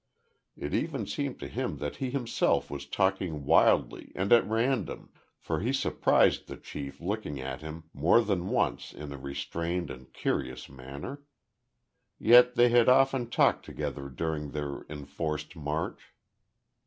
It even seemed to him that he himself was talking wildly and at random, for he surprised the chief looking at him more than once in a restrained and curious manner. Yet they had often talked together during their enforced march.